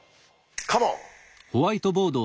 カモン！